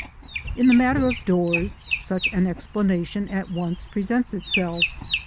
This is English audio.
] In the matter of doors, such an explanation at once presents itself.